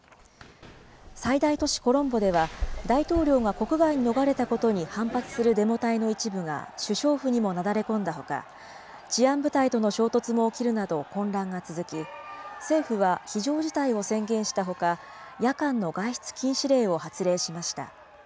最大都市コロンボでは、大統領が国外に逃れたことに反発するデモ隊の一部が、首相府にもなだれ込んだほか、治安部隊との衝突も起きるなど混乱が続き、政府は非常事態を宣言したほか、夜間の外出禁止令を発令しました。